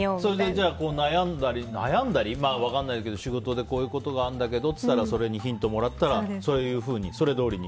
じゃあ悩んだり、分かんないけど仕事でこういうことがあるんだけどって言ったらそれにヒントもらったらそれどおりに？